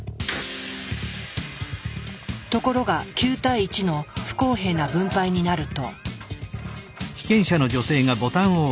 ところが９対１の不公平な分配になると。